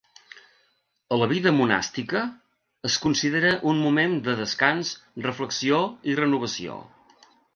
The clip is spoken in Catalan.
A la vida monàstica, es considera un moment de descans, reflexió i renovació.